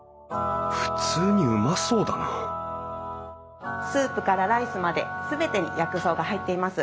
普通にうまそうだなスープからライスまで全てに薬草が入っています。